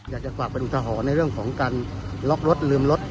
อยากจะฝากเป็นอุทหรณ์ในเรื่องของการล็อกรถลืมรถ